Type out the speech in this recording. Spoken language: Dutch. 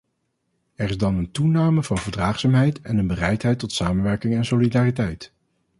Er is dan een toename van verdraagzaamheid en een bereidheid tot samenwerking en solidariteit.